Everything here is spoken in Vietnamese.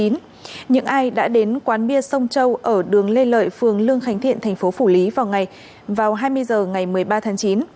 những ai đã đến quán bia sông châu ở đường lê lợi phường lương khánh thiện thành phố phủ lý vào hai mươi h ngày một mươi ba tháng chín